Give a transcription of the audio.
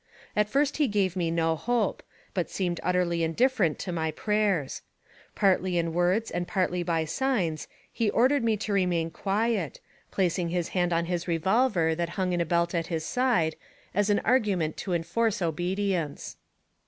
At first he gave me no hope, but seemed utterly indifferent to my prayers. Partly in words and partly by signs, he I AMONG THE SIOUX INDIANS. 27 ordered me to remain quiet, placing his hand upon his revolver, that hung in a belt at his side, as an argu ment to enforce obedience.